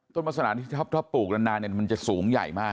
ต้นวาสนาที่ท่อปลูกนานมันจะสูงใหญ่มาก